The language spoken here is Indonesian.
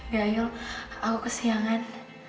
gak yul aku kesiangan